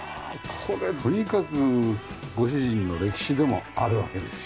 これとにかくご主人の歴史でもあるわけですよね。